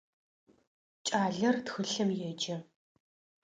Кӏалэр тхылъым еджэ.